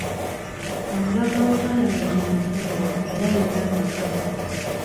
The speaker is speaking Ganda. Omubaka wa paalamenti mufumbo era ayina amaka.